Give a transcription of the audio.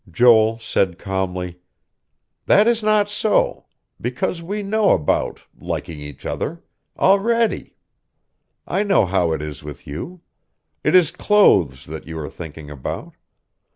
Joel said calmly: "That is not so; because we know about liking each other, already. I know how it is with you. It is clothes that you are thinking about.